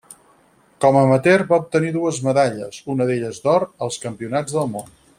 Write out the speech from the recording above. Com amateur va obtenir dues medalles, una d'elles d'or, als Campionats del Món.